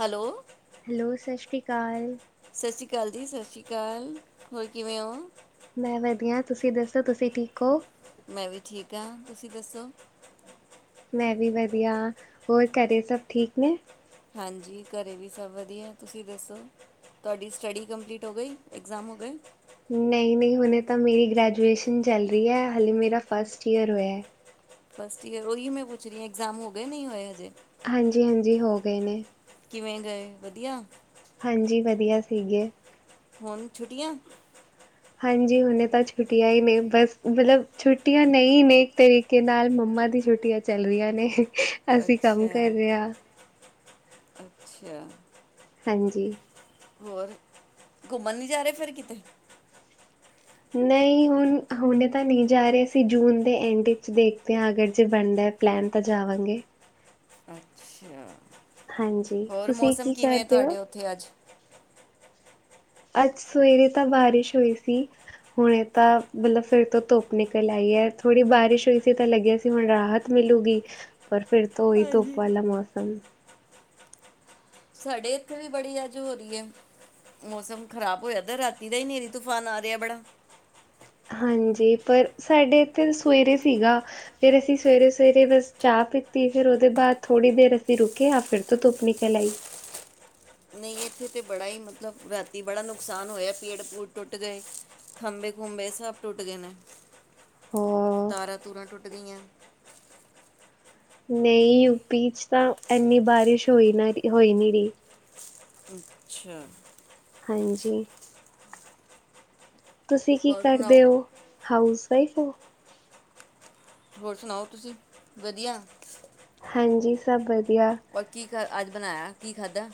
Hello, hello ਸਤਿ ਸ਼੍ਰੀ ਅਕਾਲ, ਸਤਿ ਸ਼੍ਰੀ ਅਕਾਲ ਜੀ ਸਤਿ ਸ਼੍ਰੀ ਅਕਾਲ, ਹੋਰ ਕਿਵੇਂ ਹੋ? ਮੈਂ ਵਧੀਆ, ਤੁਸੀਂ ਦੱਸੋ ਤੁਸੀਂ ਠੀਕ ਹੋ? ਮੈਂ ਵੀ ਠੀਕ ਹਾਂ ਤੁਸੀਂ ਦੱਸੋ? ਮੈਂ ਵੀ ਵਧੀਆ, ਹੋਰ ਘਰੇ ਸਭ ਠੀਕ ਨੇ? ਹਾਂਜੀ, ਘਰ ਵੀ ਸਭ ਵਧੀਆ ਤੁਸੀਂ ਦੱਸੋ ਤੁਹਾਡੀ ਸਟੱਡੀ ਕੰਪਲੀਟ ਹੋ ਗਈ ਐਗਜ਼ਾਮ ਹੋ ਗਏ? ਨਹੀਂ-ਨਹੀਂ ਹੁਣੇ ਤਾਂ ਮੇਰੀ ਗ੍ਰੈਜੂਏਸ਼ਨ ਚੱਲ ਰਹੀ ਹੈ ਹਾਲੇ ਮੇਰਾ ਫਸਟ ਈਅਰ ਹੋਇਆ ਹੈ। ਫਸਟ ਈਅਰ ਉਹੀ ਮੈਂ ਪੁੱਛ ਰਹੀ ਹਾਂ ਇਗਜ਼ਾਮ ਹੋ ਗਏ ਨਹੀਂ ਹੋਏ ਹਜੇ ਹਾਂਜੀ ਹਾਂਜੀ ਹੋ ਗਏ ਨੇ ਕਿਵੇਂ ਗਏ ਵਧੀਆ? ਹਾਂਜੀ ਵਧੀਆ ਸੀਗੇ। ਹੁਣ ਛੁੱਟੀਆਂ? ਹਾਂਜੀ ਹੁਣੇ ਤਾਂ ਛੁੱਟੀਆਂ ਹੀ ਨੇ ਬਸ ਮਤਲਬ ਛੁੱਟੀਆਂ ਨਹੀਂ ਨੇ ਇੱਕ ਤਰੀਕੇ ਨਾਲ ਮੰਮਾ ਦੀ ਛੁੱਟੀਆਂ ਚੱਲ ਰਹੀਆਂ ਨੇ। ਅਸੀਂ ਕੰਮ ਕਰ ਰਹੇ ਆ। ਅੱਛਾ! ਹਾਂਜੀ ਹੋਰ ਘੁੰਮਣ ਨੀ ਜਾ ਰਹੇ ਫਿਰ ਕਿਤੇ? ਨਹੀਂ ਹੁਣ ਹੁਣੇ ਤਾਂ ਨਹੀਂ ਜਾ ਰਹੇ ਅਸੀਂ ਜੂਨ ਦੇ ਐਂਡ ਵਿੱਚ ਦੇਖਦੇ ਹਾਂ ਅਗਰ ਜੇ ਬਣਦਾ ਪਲੈਨ ਤਾਂ ਜਾਵਾਂਗੇ। ਹਾਂਜੀ ਤੁਸੀਂ ਕੀ ਕਰਦੇ ਹੋ? ਅੱਜ ਸਵੇਰੇ ਤਾਂ ਬਾਰਿਸ਼ ਹੋਈ ਸੀ ਹੁਣ ਇਹ ਤਾਂ ਮਤਲਬ ਫਿਰ ਤੋਂ ਧੁੱਪ ਨਿਕਲ ਆਈ ਏ ਥੋੜ੍ਹੀ ਬਾਰਿਸ਼ ਹੋਈ ਸੀ ਤਾਂ ਲੱਗਿਆ ਸੀ ਹੁਣ ਰਾਹਤ ਮਿਲੂਗੀ ਪਰ ਫਿਰ ਤੋਂ ਉਹੀ ਧੁੱਪ ਵਾਲਾ ਮੌਸਮ। ਸਾਡੇ ਇੱਥੇ ਵੀ ਬੜੀ ਅੱਜ ਹੋ ਰਹੀ ਏ ਮੌਸਮ ਖ਼ਰਾਬ ਹੋਇਆ ਤਾਂ ਰਾਤੀ ਦਾ ਹੀ ਹਨੇਰੀ ਤੂਫਾਨ ਆ ਰਿਹਾ ਬੜਾ। ਹਾਂਜੀ ਪਰ ਸਾਡੇ ਇੱਥੇ ਸਵੇਰੇ ਸੀਗਾ ਫਿਰ ਅਸੀਂ ਸਵੇਰੇ ਸਵੇਰੇ ਬਸ ਚਾਹ ਪੀਤੀ ਫਿਰ ਉਹਦੇ ਬਾਅਦ ਥੋੜ੍ਹੀ ਦੇਰ ਅਸੀਂ ਰੁਕੇ ਆ ਫਿਰ ਤੋਂ ਧੁੱਪ ਨਿਕਲ ਆਈ। ਨਹੀਂ ਇੱਥੇ ਤੇ ਬੜਾ ਹੀ ਮਤਲਬ ਰਾਤੀ ਬੜਾ ਨੁਕਸਾਨ ਹੋਇਆ ਪੇੜ ਪੂੜ ਟੁੱਟ ਗਏ ਖੰਬੇ ਖੁੰਬੇ ਸਭ ਟੁੱਟ ਗਏ ਨੇ। ਤਾਰਾਂ ਤੂਰਾਂ ਟੁੱਟ ਗਈਆਂ। ਨਹੀਂ ਯੂਪੀ ਚ ਤਾਂ ਇੰਨੀ ਬਾਰਿਸ਼ ਹੋਈ ਨਾ ਹੋਈ ਨਹੀਂ ਰਹੀ। ਅੱਛਾ! ਹਾਂਜੀ ਤੁਸੀਂ ਕੀ ਕਰਦੇ ਹੋ? ਹਾਊਸ ਵਾਈਫ ਹੋ ਹੋਰ ਸੁਣਾਓ ਤੁਸੀਂ ਵਧੀਆ? ਹਾਂਜੀ ਸਭ ਵ ਹੋਰ ਕੀ ਕਰ ਅੱਜ ਬਣਾਇਆ ਕੀ ਖਾਧਾ?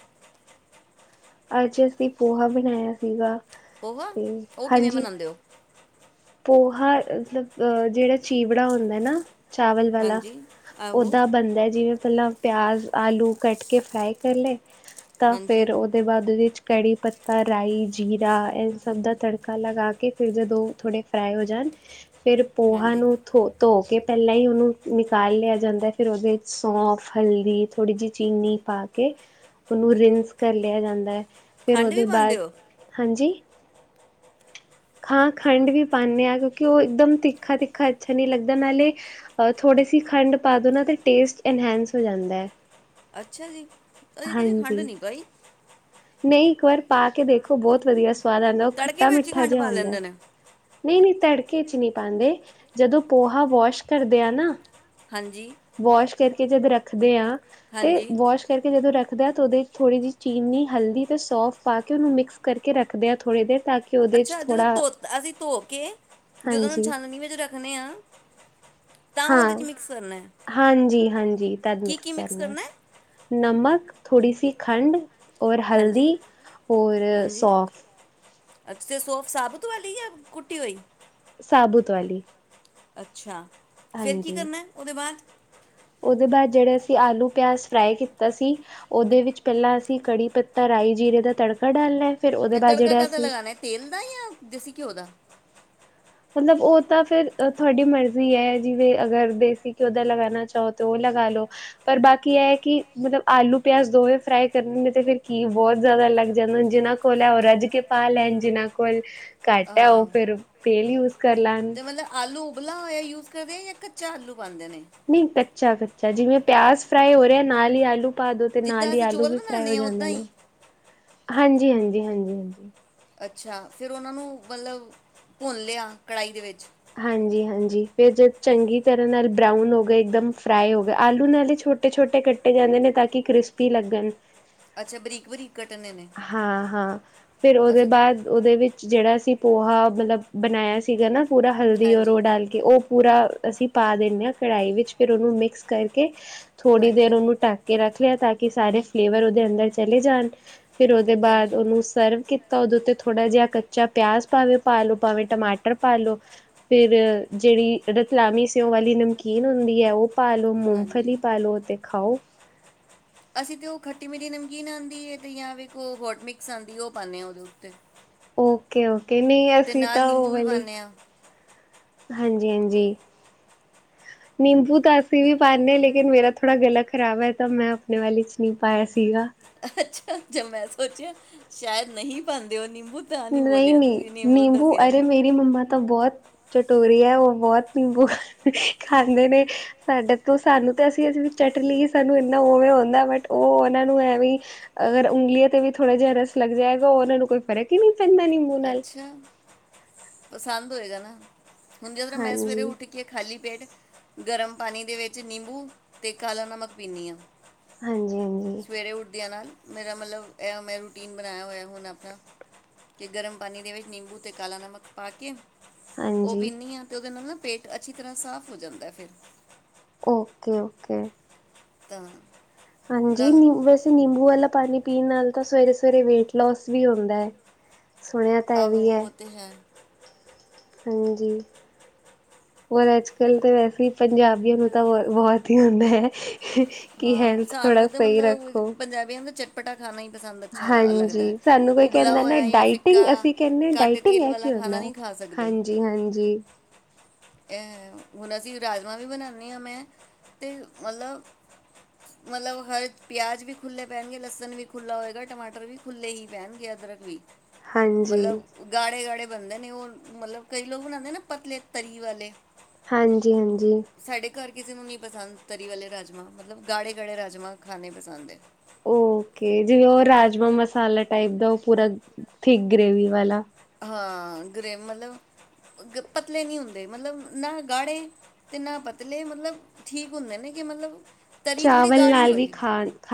ਅੱਜ ਅਸੀਂ ਪੋਹਾ ਬਣਾਇਆ ਸੀਗਾ। ਪੋਹਾ ਉਹ ਕਿਵੇਂ ਬਨਾਉਂਦੇ ਉ? ਪੋਹਾ ਮਤਲਬ ਜਿਹੜਾ ਚੀਵੜਾ ਹੁੰਦਾ ਨਾ। ਚਾਵਲ ਵਾਲਾ ਉਦਾਂ ਬਣਦਾ ਜਿਵੇਂ ਮਤਲਬ ਪਿਆਜ਼, ਆਲੂ ਕੱਟ ਕੇ ਫਰਾਈ ਕਰ ਲੈ। ਤਾਂ ਫੇਰ ਉਹ ਉਹਦੇ ਚ ਕੜੀ ਪੱਤਾ ਰਾਈ ਜੀਰਾ ਇਹ ਸਭ ਦਾ ਤੜਕਾ ਲਗਾ ਕੇ ਫਿਰ ਜਦੋਂ ਥੋੜੇ ਫਰਾਈ ਹੋ ਜਾਣ ਫੇਰ ਪੋਹਾ ਨੂੰ ਧੋ ਧੋ ਕੇ ਪਹਿਲਾਂ ਹੀ ਉਹਨੂੰ ਨਿਕਾਲ ਲਿਆ ਜਾਂਦਾ ਏ। ਫਿਰ ਉਹਦੇ ਵਿੱਚ ਸੌਂਫ, ਹਲਦੀ ਥੋੜ੍ਹੀ ਜਿਹੀ ਚੀਨੀ ਪਾ ਕੇ ਉਹਨੂੰ ਰਿੰਸ ਕਰ ਲਿਆ ਜਾਂਦਾ ਏ। ਫਿਰ ਉਹਦੇ ਬਾਅਦ ਹਾਂਜੀ ਹਾਂ ਖੰਡ ਵੀ ਪਾਂਨੇ ਹਾਂ ਕਿਉਂਕਿ ਉਹ ਇਕਦਮ ਤਿੱਖਾ ਤਿੱਖਾ ਅੱਛਾ ਨਹੀਂ ਲੱਗਦਾ ਨਾਲੇ ਥੋੜੇ ਸੀ ਖੰਡ ਪਾ ਦੋ ਨਾ ਤੇ ਟੇਸਟ ਇਨਹਸ ਹੋ ਜਾਂਦਾ ਏ। ਅੱਛਾ ਜੀ! ਅਸੀਂ ਕਦੀ ਖੰਡ ਨੀ ਪਾਈ। ਨਹੀਂ ਇੱਕ ਵਾਰ ਪਾ ਕੇ ਦੇਖੋ ਬਹੁਤ ਵਧੀਆ। ਸਵਾਦ ਆਦਾ ਉਹ ਖੱਟਾ ਮਿੱਠਾ ਜਿਹਾ ਹੁੰਦਾ ਹੈ। ਨਹੀਂ-ਨਹੀਂ ਤੜਕੇ ਚ ਨਹੀਂ ਪਾਉਂਦੇ ਜਦੋਂ ਪੋਹਾ ਵਾਸ਼ ਕਰਦੇ ਆ ਨਾ, ਵਾਸ਼ ਕਰਕੇ, ਕੇ ਜਦ ਰੱਖਦੇ ਹਾਂ। ਤੇ ਵਾਸ਼ ਕਰਕੇ ਜਦੋਂ ਰੱਖਦੇ ਉਹਦੇ ਥੋੜੀ ਜਿਹੀ ਚੀਨੀ ਹਲਦੀ ਤੇ ਸੋਫ ਪਾ ਕੇ ਉਹਨੂੰ ਮਿਕਸ ਕਰਕੇ ਰੱਖਦੇ ਆ ਥੋੜ੍ਹੀ ਦੇਰ ਤਾਂ ਕਿ ਕਿ ਉਹਦੇ ਚ ਥੋੜ੍ਹਾ ਧੋ ਕੇ ਜਦੋਂ ਉਹ ਨੂੰ ਛਾਨਨੀ ਵਿੱਚ ਰੱਖਣੇ ਆ, ਹਾਂ, ਹਾਂਜੀ-ਹਾਂਜੀ, ਤਦ ਮਿਕਸ ਕਰਨਾ ਨਮਕ ਥੋੜੀ ਸੀ ਖੰਡ, ਔਰ ਹਲਦੀ ਔਰ ਸੋਫ, ਅੱਛ ਸੋਫ ਸਾਬਤ ਵਾਲੀ ਜਾਂ ਕੁੱਟੀ ਹੋਈ। ਸਾਬੂਤ ਵਾਲੀ, ਅੱਛਾ, ਫੇਰ ਕੀ ਕਰਨਾ ਉਹਦੇ ਬਾਅਦ ਉਹਦੇ ਬਾਅਦ ਜਿਹੜਾ ਅਸੀਂ ਆਲੂ ਪਿਆਜ਼ ਫਰਾਈ ਕੀਤਾ ਸੀ ਉਹਦੇ ਵਿੱਚ ਪਹਿਲਾਂ ਅਸੀਂ ਕੜੀ ਪੱਤਾ ਰਾਈ ਜੀਰੇ ਦਾ ਤੜਕਾ ਡਾਲਣਾ ਤੇ ਤੜਕਾ ਕਰਦਾ ਲਗਾਣਾ ਤੇਲ ਦਾ ਜਾਂ ਦੇਸੀ ਘਿਓ ਦਾ ਮਤਲਬ ਉਹ ਤਾਂ ਫਿਰ ਤੁਹਾਡੀ ਮਰਜ਼ੀ ਹੈ ਜਿਵੇਂ ਅਗਰ ਦੇਸੀ ਘਿਓ ਦਾ ਲਗਾਉਣਾ ਚਾਹੋ ਤਾਂ ਉਹ ਲਗਾ ਲਓ ਪਰ ਬਾਕੀ ਇਹ ਕਿ ਮਤਲਬ ਆਲੂ ਪਿਆਜ ਦੋਵੇਂ ਫਰਾਈ ਕਰਨਦੇ ਤੇ ਫਿਰ ਕੀ ਬਹੁਤ ਜ਼ਿਆਦਾ ਲੱਗ ਜਾਂਦਾ ਜਿਹਨਾਂ ਕੋਲ ਹੈ ਉਹ ਰਜ ਕੇ ਪਾ ਲੈਣ ਜਿਹਨਾਂ ਕੋਲ ਘੱਟ ਹੈ ਉਹ ਫਿਰ ਤੇਲ ਯੂਸ ਕਰ ਲੈਣ। ਆਲੂ ਉਬਲਾ ਹੋਇਆ ਯੂਜ ਕਰਦੇ ਜਾਂ ਕੱਚਾ ਆਲੂ ਪਾਦੇ ਨੇ ਜਿਵੇਂ ਪਿਆਜ਼ ਫਰਾਈ ਹੋ ਰਿਹਾ ਨਾਲ ਹੀ ਆਲੂ ਪਾ ਦੋ ਤੇ ਨਾਲ ਹੀ ਆਲੂ ਵੀ ਫਰਾਈ ਹੋ ਜਾਂਦੇ ਨੇ, ਹਾਂਜੀ-ਹਾਂਜੀ-ਹਾਂਜੀ-ਹਾਂਜੀ, ਅੱਛਾ ਫਿਰ ਉਹਨਾਂ ਨੂੰ ਮਤਲਬ ਭੁੰਨ ਲਿਆ ਕੜਾਹੀ ਦੇ ਵਿੱਚ ਹਾਂਜੀ-ਹਾਂਜੀ, ਫਿਰ ਜਦ ਚੰਗੀ ਤਰ੍ਹਾਂ ਨਾਲ ਬਰਾਉਨ ਹੋ ਗਿਆ ਇੱਕਦਮ ਫਰਾਈ ਹੋ ਗਏ ਆਲੂ ਨਾਲੇ ਛੋਟੇ ਛੋਟੇ ਕੱਟੇ ਜਾਂਦੇ ਨੇ ਤਾਂ ਕਿ ਕ੍ਰਿਸਪੀ ਲੱਗਣ ਅੱਛਾ, ਬਰੀਕ-ਬਰੀਕ ਹਾਂ-ਹਾਂ, ਫਿਰ ਉਹਦੇ ਬਾਅਦ ਉਹਦੇ ਵਿੱਚ ਜਿਹੜਾ ਅਸੀ ਪੋਹਾ ਮਤਲਬ ਬਣਾਇਆ ਸੀਗਾ ਨਾ, ਪੂਰਾ ਹਲਦੀ ਔਰ ਉਹ ਡਾਲ ਕੇ ਉਹ ਪੂਰਾ ਅਸੀਂ ਪਾ ਦਿੰਦੇ ਹਾਂ ਕੜਾਹੀ ਵਿੱਚ ਫਿਰ ਉਹਨੂੰ ਮਿਕਸ ਕਰਕੇ ਥੋੜ੍ਹੀ ਦੇਰ ਉਹਨੂੰ ਢੱਕ ਕੇ ਰੱਖ ਲਿਆ ਤਾਂ ਕਿ ਕਿ ਸਾਰੇ ਫਲੇਵਰ ਉਹਦੇ ਅੰਦਰ ਚਲੇ ਜਾਣ ਫਿਰ ਉਹਦੇ ਬਾਅਦ ਉਹਨੂੰ ਸਰਵ ਕੀਤਾ। ਤਾਂ ਉਹਦੇ ਉੱਤੇ ਥੋੜ੍ਹਾ ਜਿਹਾ ਕੱਚਾ ਪਿਆਜ਼ ਭਾਵੇਂ ਪਾ ਲਉ ਭਾਵੇਂ ਟਮਾਟਰ ਪਾ ਲਉ ਫਿਰ ਜਿਹੜੀ ਰਤਲਾਮੀ ਸਿਉਂ ਵਾਲੀ ਨਮਕੀਨ ਹੁੰਦੀ ਹੈ ਉਹ ਪਾ ਲਓ ਮੂੰਗਫਲੀ ਪਾ ਲਓ ਤੇ ਖਾਓ। ਅਸੀਂ ਤੇ ਉਹ ਖੱਟੀ ਮੇਰੀ ਨਮਕੀਨ ਆਂਦੀ ਹੈ, ਤੇ ਤੁਹੀ ਆ ਵੇਖੋ ਉਹ ਹੋਟ ਮਿਕਸ ਆਂਦੀ ਉਹ ਪਾਂਦੇ ਹਾਂ ਉਹਦੇ ਉੱਤੇ ਓਕੇ, ਓਕੇ। ਕਿ ਨਹੀਂ ਅਸੀਂ ਤਾਂ ਉਹ ਵਾਲੀ ਹਾਂਜੀ- ਹਾਂਜੀ ਨਿੰਬੂ ਤਾਂ ਅਸੀਂ ਵੀ ਪਾਂਦੇ ਹਾਂ, ਲੇਕਿਨ ਮੇਰਾ ਥੋੜ੍ਹਾ ਗਲਾ ਖ਼ਰਾਬ ਹੈ ਤਾਂ ਮੈਂ ਆਪਣੇ ਵਾਲੇ ਚ ਨ ਪਾਇਆ ਸੀਗਾ। ਅੱਛਾ ਮੈਂ ਸੋਚਿਆ ਸ਼ਾਇਦ ਨਹੀਂ ਪਾਂਦੇ ਉਹ ਨਿੰਬੁੂ ਨਹੀਂ- ਨਹੀਂ ਨਿੰਬੂ ਅਰੇ ਮੇਰੀ ਮੰਮਾ ਤਾਂ ਬਹੁਤ ਚਟੋਰੀ ਹੈ ਉਹ ਬਹੁਤ ਨਿੰਬੂ ਖਾਂਦੇ ਨੇ, ਸਾਡੇ ਤੋਂ ਸਾਨੂੰ ਤਾਂ ਅਸੀਂ ਅਂ ਵੀ ਚੱਟ ਲਈ ਸਾਨੂੰ ਇੰਨਾ ਉਵੇਂ ਆਂਦਾ ਬਟ ਉਹ ਉਹਨਾਂ ਨੂੰ ਐ ਵੀਂ ਅਗਰ ਉਂਗਲੀਆਂ ਤੇ ਵੀ ਥੋੜ੍ਹਾ ਜਿਹਾ ਰਸ ਲੱਗ ਜਾਏਗਾ ਉਹ ਉਹਨਾਂ ਨੂੰ ਕੋਈ ਫਰਕ ਕੀ ਕਹਿੰਦਾ ਨਿੰਬੂ ਅੱਛਾ ਪਸੰਦ ਹੋਏਗਾ ਨਾ। ਹੁਣ ਜਿਸ ਤਰ੍ਹਾਂ ਮੈਂ ਸਵੇਰੇ ਉੱਠ ਕੇ ਖਾਲੀ ਪੇਟ ਗਰਮ ਪਾਣੀ ਦੇ ਵਿੱਚ ਨਿੰਬੂ ਅਤੇ ਕਾਲਾ ਨਮਕ ਪੀਂਦੀ ਹਾਂ। ਹਾਂਜੀ, ਹਾਂਜੀ। ਮੇਰਾ ਮਤਲਬ ਇਹ ਮੈਂ ਰੂਟੀਨ ਬਣਾਇਆ ਹੋਇਆ ਹੁਣ ਆਪਣਾ ਕਿ ਗਰਮ ਪਾਣੀ ਦੇ ਵਿੱਚ ਨਿੰਬੂ ਅਤੇ ਕਾਲਾ ਨਮਕ ਪਾ ਕੇ ਉਹ ਪੀਂਨੀ ਆ ਤੇ ਉਹਦੇ ਨਾਲ ਨਾ ਪੇਟ ਅੱਛੀ ਤਰ੍ਹਾਂ ਸਾਫ਼ ਹੋ ਜਾਂਦਾ ਫਿਰ। Okay, okay. ਤਾਂ ਹਾਂਜੀ ਨੀ ਵੈਸੇ ਨਿੰਬੂ ਵਾਲਾ ਪਾਣੀ ਪੀਣ ਨਾਲ ਤਾਂ ਸਵੇਰੇ- ਸਵੇਰੇ ਵੇਟ ਲੋਸ ਵੀ ਹੁੰਦਾ ਹੈ। ਸੁਣਿਆ ਤਾਂ ਇਹ ਵੀ ਐ। ਹਾਂਜੀ ਪਰ ਅੱਜ- ਕੱਲ ਤਾਂ ਵੈਸੇ ਪੰਜਾਬੀਆਂ ਨੂੰ ਤਾਂ ਬ ਬਹੁਤ ਹੀ ਆਉਂਦਾ। ਹਾਂ ਸਾਨੂੰ ਤੇ ਮਤਲਬ ਪੰਜਾਬੀਆਂ ਦਾ ਚਟ ਹਾਂਜੀ ਸਾਨੂੰ ਕੋਈ ਕਹਿੰਦਾ ਨਾ ਡਾਇਟਿੰਗ ਅਸੀਂ ਕਹਿੰਦੇ ਆ ਡਾਇਟਿੰਗ ਐ ਕੀ ਹੁੰਦਾ ਹਾਂਜੀ- ਹਾਂਜੀ। ਅਹ ਹੁਣ ਅਸੀਂ ਰਾਜਮਾਂ ਵੀ ਬਣਾਣੇ ਹਾਂ ਮੈਂ ਤੇ ਮਤਲਬ ਮਤਲਬ ਹਰ ਪਿਆਜ ਵੀ ਖੁੱਲ੍ਹੇ ਪੈਣਗੇ, ਲਸਣ ਵੀ ਖੁੱਲ੍ਹਾ ਹੋਏਗਾ ਟਮਾਟਰ ਵੀ ਖੁੱਲੇ ਹੀ ਪੈਣਗੇ ਅਦਰਕ ਵੀ ਮਤਲਬ ਗਾੜੇ -ਗਾੜੇ ਬਣਦੇ ਨੇ ਉਹ ਮਤਲਬ ਕਈ ਲੋਕ ਬਣਾਂਦੇ ਨਾ ਪਤਲੇ ਤਰੀ ਵਾਲੇ ਹਾਂਜੀ, ਹਾਂਜੀ। ਕਿਸੇ ਨੂੰ ਨੀ ਪਸੰਦ ਤਰੀ ਵਾਲੇ ਰਾਜਮਾਂ। ਮਤਲਬ ਗਾੜੇ -ਗਾੜੇ ਰਾਜਾਮਾਂਹ ਖਾਣੇ ਪਸੰਦ ਏ। ਪੂਰਾ ਥਿਕ ਗ੍ਰੇਵੀ ਵਾਲਾ ਹਾਂ ਗਰੇ ਮਤਲਬ ਪਤਲੇ ਨਹੀਂ ਹੁੰਦੇ ਮਤਲਬ ਨਾ ਗਾੜੇ ਤੇ ਨਾ ਪਤਲੇ ਮਤਲਬ ਠੀਕ ਹੁੰਦੇ ਨੇ ਕਿ ਮਤਲਬ ਤਰੀ ਥੋੜ੍ਹੀ ਗਾੜੀ ਹੋਏ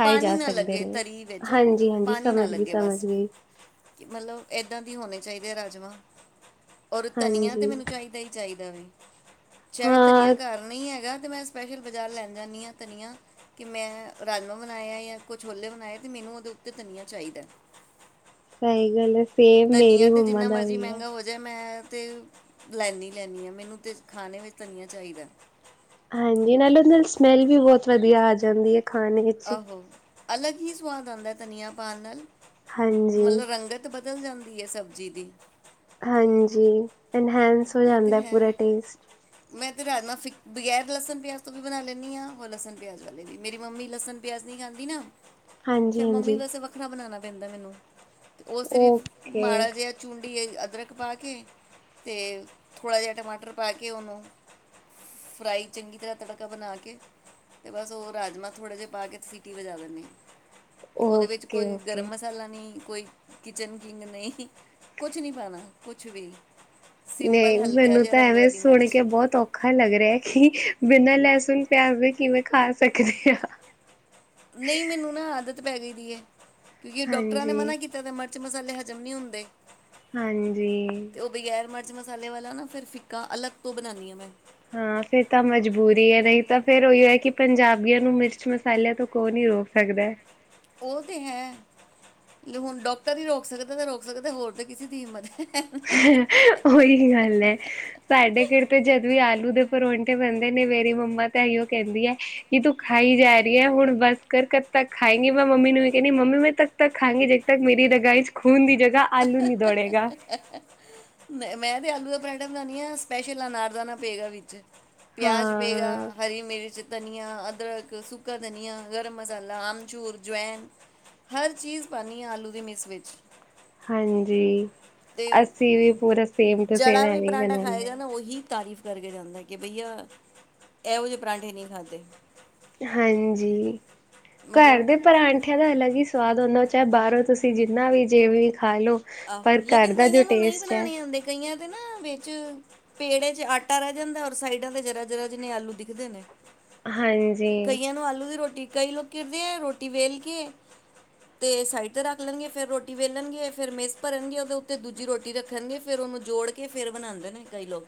ਪਾਣੀ ਨਾ ਲੱਗੇ ਤਰੀ ਵਿੱਚ ਪਾਣੀ ਨਾ ਲੱਗੇ ਬਸ ਕਿ ਮਤਲਬ ਇੱਦਾਂ ਹੋਣੇ ਚਾਹੀਦੇ ਰਾਜਮਾ ਔਰ ਧਨੀਆ ਤੇ ਮੈਨੂੰ ਚਾਹੀਦਾ ਹੀ ਚਾਹੀਦਾ। ਉਦਾ ਵੀ ਚਾਹੇ ਧਨੀਆ ਘਰ ਨਹੀਂ ਹੈਗਾ ਮੈਂ ਸਪੈਸ਼ਲ ਬਜ਼ਾਰ ਲੈਣ ਜਾਂਦੀ ਹਾਂ ਧਨੀਆ ਕਿ ਮੈਂ ਰਾਜਮਾਂਹ ਬਣਾਇਏ ਜਾਂ ਕੁਛ ਛਲੇ ਬਣਾਏ ਅਤੇ ਮੈਨੂੰ ਉਹਦੇ ਉੱਤੇ ਧਨੀਆ ਚਾਹੀਦਾ। ਸਹੀ ਗੱਲ ਐ। ਧਨੀਆ ਤੇ ਜਿੰਨਾ ਮਰਜ਼ੀ ਮਹਿੰਗਾ ਹੋ ਜਾਏ ਮੈਂ ਤੇ ਲੈਦੀ ਲੈਦੀ ਆ ਮੈਨੂੰ ਤੇ ਖਾਣੇ ਵਿੱਚ ਤਾਂ ਧਨੀਆ ਚਾਹੀਦਾ। ਹਾਂਜੀ, ਨਾਲੇ ਉਹਦੇ ਨਾਲ ਸਮੈਲ ਵੀ ਬਹੁਤ ਵਧੀਆ ਆ ਜਾਂਦੀ ਹੈ। ਖਾਣੇ ਚ ਅਲੱਗ ਹੀ ਸਵਾਦ ਆਦਾ ਧਨੀਆ ਪਾਣ ਨਾਲ ਮਤਲਬ ਰੰਗਤ, ਬਦਲ ਜਾਂਦੀ ਹੈ ਸਬਜ਼ੀ ਦੀ ਹਾਂਜੀ, ਇਨਹਾਸ ਹੋ ਜਾਂਦਾ ਪੂਰਾ ਟੇਸਟ ਰਾਜਮਾਂ ਫੇਰ ਬਗੈਰ ਲਸਣ ਪਿਆਜ ਤੋਂ ਵੀ ਬਣਾ ਲੈਂਦੀ ਹਾਂ ਉਹ ਲਸਣ ਪਿਆਜ ਵਾਲੇ ਵੀ ਮੇਰੀ ਮੰਮੀ ਲਸਣ ਪਿਆਜ ਨਹੀਂ ਖਾਂਦੀ ਨਾ ਫੇਰ ਮੰਮੀ ਵੈਸੇ ਵੱਖਰਾ ਬਣਾਣਾ ਪੈਂਦਾ ਮੈਨੂੰ ਤੇ ਉਹ ਸਿਰਫ ਮਾੜਾ ਜਿਹਾ ਚੂੰਡੀ ਹੀ ਅਦਰਕ ਪਾ ਕੇ ਤੇ ਥੋੜ੍ਹਾ ਜਿਹਾ ਟਮਾਟਰ ਪਾ ਕੇ ਉਹਨੂੰ ਫਰਾਈ ਚੰਗੀ ਤਰ੍ਹਾਂ ਤੜਕਾ ਬਣਾ ਕੇ ਤੇ ਬਸ ਉਹ ਰਾਜਮਾਂ ਥੋੜ੍ਹੇ ਜਿਹੇ ਪਾ ਕੇ ਸੀਟੀ ਵਜਾ ਦਿੰਦੇ। ਉਹਦੇ ਵਿੱਚ ਕੋਈ ਗਰਮ ਮਸਾਲਾ ਨਹੀਂ, ਕੋਈ ਕਿਚਨ ਕਿੰਗ ਨਹੀਂ ਕੁਛ ਨਹੀਂ ਪਾਣਾ ਕੁਛ ਵੀ ਸਿੰਪਲ। ਮੈਨੂੰ ਤਾਂ ਐਵੇਂ ਸੁਣ ਕੇ ਬਹੁਤ ਔਖਾ ਲੱਗ ਰਿਹਾ ਕਿ ਬਿਨਾਂ ਲਸੁਣ ਪਿਆਜ਼ੇ ਕਿਵੇਂ ਖਾ ਸਕਦੇ ਹਾ। ਨਹੀਂ ਮੈਨੂੰ ਨਾ ਆਦਤ ਪੈ ਗਈ ਦੀ ਹੈ। ਕਿਉਂਕਿ ਡਾਕਟਰਾਂ ਨੇ ਮਨਾ ਕੀਤਾ ਤੇ ਵਿੱਚ ਮਸਾਲੇ ਹਜ਼ਮ ਨਹੀਂ ਹੁੰਦੇ। ਹਾਂਜੀ। ਮਿਰਚ ਮਸਾਲੇ ਵਾਲਾ ਨਾ ਫਿਰ ਫਿੱਕਾ ਅਲੱਗ ਤੋਂ ਬਣਾਨੀ ਹਾਂ ਮੈਂ, ਹਾਂ ਫਿਰ ਤਾਂ ਮਜਬੂਰੀ ਹੈ ਨਹੀਂ ਤਾਂ ਫੇਰ ਉਹੀ ਹੈ ਕਿ ਪੰਜਾਬੀਆਂ ਨੂੰ ਮਿਰਚ ਮਸਾਲਿਆਂ ਤੋਂ ਕੋ ਨੀ ਰੋਕ ਸਕਦਾ। ਉਹ ਤੇ ਹੈ ਹੁਣ ਡਾਕਟਰ ਹੀ ਰੋਕ ਸਕਦਾ ਤੇ ਰੋਕ ਸਕਦਾ ਹੋਰ ਤਾਂ ਕਿਸੇ ਦੀ ਹਿੰਮਤ ਹੈ। ਉਹੀ ਗੱਲ ਹੈ ਸਾਡੇ ਘਰ ਜਦ ਵੀ ਆਲੂ ਦੇ ਪਰੋਂਂਠੇ ਪੈਂਦੇ ਨੇ ਮੇਰੀ ਮੰਮਾ ਤੇ ਇਹੀਓ ਕਹਿੰਦੀ ਹੈ ਕਿ ਤੂੰ ਖਾਈ ਜਾ ਰਹੀ ਹੈ ਹੁਣ ਬਸ ਕਰ ਕਦ ਤੱਕ ਖਾਏਗੀ ਮੈਂ ਮੰਮੀ ਨੂੰ ਵੀ ਕਹਿੰਦੀ ਮੰਮੀ ਮੈਂ ਤਦ ਤੱਕ ਖਾਗੀ ਜਦ ਤੱਕ ਮੇਰੀ ਰਗਾਂ ਵਿਚ ਖੂਨ ਦੀ ਜਗ੍ਹਾ ਆਲੂ ਨੀ ਦੋੜੇਗਾ। ਮੈਂ ਤੇ ਆਲੂ ਦਾ ਪਰਾਂਠਾ ਬਣਾਨੀ ਆ ਸਪੈਸ਼ਲ ਅਨਾਰ ਦਾਨਾ ਪਏਗਾ ਵਿੱਚ, ਪਿਆਜ ਪਏਗਾ ਹਰੀ ਮਿਰਚ, ਧਨੀਆਂ ਅਦਰਕ ਸੁੱਕਾ ਧਨੀਆਂ ਗਰਮ ਮਸਾਲਾ ਆਮਚੂਰ ਜਵਾਇਨ ਹਰ ਚੀਜ਼ ਪਾਂਦੀ ਹਾਂ ਆਲੂ ਦੀ ਮਿਸ ਵਿੱਚ, ਹਾਂਜੀ, ਤੇ ਜੜਾ ਵੀ ਪਰਾਂਠਾ ਖਾਏਗਾ ਨਾ ਉਹੀ, ਤਾਰੀਫ਼ ਕਰਕੇ ਜਾਂਦਾ ਕਿ ਬਈਆ ਇਹੋ ਜਿਹੇ ਪਰਾਂਠੇ ਨਹੀਂ ਖਾਧੇ, ਹਾਂਜੀ, ਘਰ ਦੇ ਪਰਾਂਠਿਆਂ ਦਾ ਅਲੱਗ ਹੀ, ਸਵਾਦ ਹੁੰਦਾ ਹੋ ਚਾਹੇ ਬਾਹਰੋਂ ਤੁਸੀਂ ਜਿੰਨਾ ਵੀ ਜਿਵੇਂ ਖਾ ਲਓ ਪਰ ਘਰ ਦਾ ਜੋ ਟੇਸਟ ਹੈ। ਨਾ ਵਿੱਚ ਪੇੜੇ ਚ ਆਟਾ ਰਹਿ ਜਾਂਦਾ ਔਰ ਸਾਈਡਾਂ ਦੇ ਜਰਾ ਜਰਾ ਜਿਹਨੇ ਆਲੂ ਦਿਖਦੇ ਨੇ, ਕਈਆਂ ਨੂੰ ਆਲੂ ਦੀ ਰੋਟੀ, ਕਈ ਲੋਕ ਕਰਦੇ ਹੈ ਰੋਟੀ ਵੇਲ ਕੇ ਅਤੇ ਸਾਈਡ 'ਤੇ ਰੱਖ ਲਣਗੇ ਫਿਰ ਰੋਟੀ ਵੇਲਣਗੇ ਫਿਰ ਮਿਸ ਭਰਨਗੇ ਉਹਦੇ ਉੱਤੇ ਦੂਜੀ ਰੋਟੀ ਰੱਖਣਗੇ ਫਿਰ ਉਹਨੂੰ ਜੋੜ ਕੇ ਫੇਿਰ ਬਣਾਉਂਦੇ ਨੇ,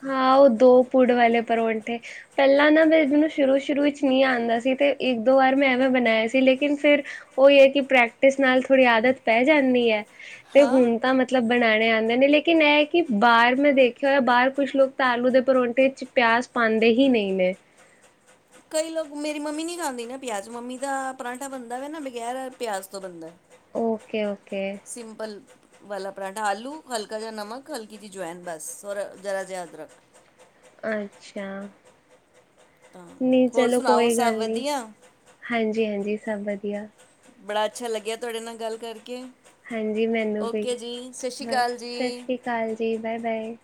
ਹਾਂ ਉਹ ਦੋ ਪੁੜ ਵਾਲੇ ਪਰੌਂਠੇ, ਪਹਿਲਾਂ ਨਾ ਮੈਂਨੂੰ ਸ਼ੁਰੂ ਸ਼ੁਰੂ ਵਿੱਚ ਨਹੀਂ ਆਦਾ ਸੀ ਅਤੇ ਇੱਕ ਦੋ ਵਾਰ ਮੈਂ ਐਵੇਂ ਬਣਾਇਆ ਸੀ ਲੇਕਿਨ ਫਿਰ ਉਹੀ ਹੈ ਕਿ ਪ੍ਰੈਕਟਿਸ ਨਾਲ ਥੋੜ੍ਹੀ ਆਦਤ ਪੈ ਜਾਂਦੀ ਹੈ। ਤੇ ਹੁਣ ਤਾਂ ਮਤਲਬ ਬਣਾਣੇ ਆ। ਨੇ ਲੇਕਿਨ ਇਹ ਕਿ ਬਾਹਰ ਮੈਂ ਦੇਖਿਆ ਹੋਇਆ ਬਾਹਰ, ਕੁਛ ਲੋਕ ਤਾਂ ਆਲੂ ਦੇ ਪਰੋਂਂਠੇ ਚ ਪਿਆਜ਼ ਪਾਦੇ ਹੀ ਨਹੀਂ ਨੇ, ਕਈ ਲੋਕ ਮੇਰੀ ਮੰਮੀ ਨਹੀਂ ਖਾਂਦੀ ਨਾ ਪਿਆਜ਼ ਮੰਮੀ ਦਾ ਪਰਾਂਠਾ ਬਣਦਾ ਵਾ ਨਾ ਬਗੈਰ ਪਿਆਜ਼ ਤੋਂ ਬਣਦਾ। ਓਕੇ ਓਕੇ, ਵਾਲਾ ਪਰਾਂਠਾ ਆਲੂ ਹਲਕਾ ਜਾ ਨਮਕ ਹਲਕੀ ਜੀ ਜੁਆਇਨ ਬਸ ਜ਼ਰਾ ਜਿਹਾ ਅਦਰਕ, ਅੱਛਾ, ਨਹੀਂ ਚਲੋ ਕੋਈ ਗੱਲ ਨੀ ਹਾਂਜੀ-ਹਾਂਜੀ, ਸਭ ਵਧੀਆ, ਬੜਾ ਅੱਛਾ ਲੱਗਿਆ ਤੁਹਾਡੇ ਨਾਲ ਗੱਲ ਕਰਕੇ, ਹਾਂਜੀ ਮੈਨੂੰ ਵੀ ਬਸ ਸਤਿ ਸ੍ਰੀ ਅਕਾਲ ਜੀ ਬਾਏ ਬਾਏ,